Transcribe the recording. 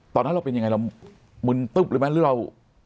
ตอนนั้นเราเป็นยังไงเรามึนตึ๊บหรือไหมหรือเรา